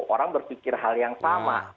orang berpikir hal yang sama